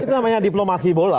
itu namanya diplomasi bola